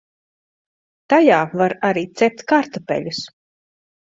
Tajā var arī cept kartupeļus.